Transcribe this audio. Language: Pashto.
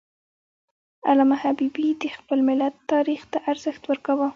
علامه حبیبي د خپل ملت تاریخ ته ارزښت ورکاوه.